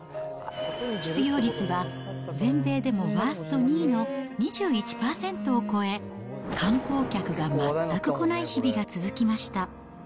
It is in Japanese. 失業率は全米でもワースト２位の２１％を超え、観光客が全く来ない日々が続きました。